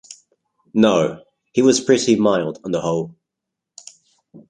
No; he was pretty mild, on the whole.